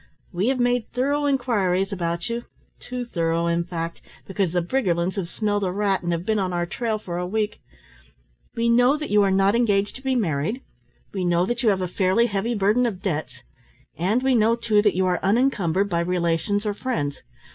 "We have made thorough inquiries about you, too thorough in fact, because the Briggerlands have smelt a rat, and have been on our trail for a week. We know that you are not engaged to be married, we know that you have a fairly heavy burden of debts, and we know, too, that you are unencumbered by relations or friends.